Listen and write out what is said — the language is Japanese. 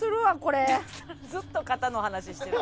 ずっと肩の話してる。